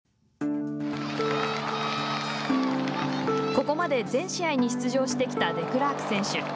ここまで全試合に出場してきたデクラーク選手。